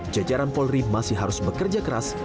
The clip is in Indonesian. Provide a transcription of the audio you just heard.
jajaran polri masih harus bekerja keras